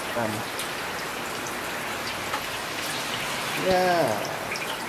En estas variantes, el oponente es apresado boca arriba en lugar de boca abajo.